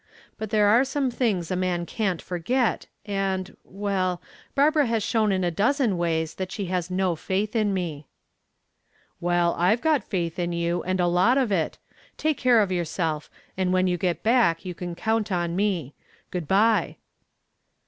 But there are some things a man can't forget, and well Barbara has shown in a dozen ways that she has no faith in me." "Well, I've got faith in you, and a lot of it. Take care of yourself, and when you get back you can count on me. Good bye."